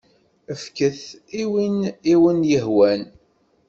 Fket-t i win i wen-yehwan.